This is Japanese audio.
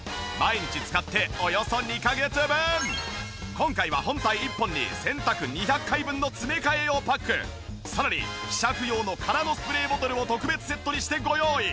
今回は本体１本に洗濯２００回分の詰め替え用パックさらに希釈用の空のスプレーボトルを特別セットにしてご用意。